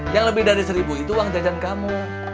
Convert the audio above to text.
yang lebih dari seribu itu uang jajan kamu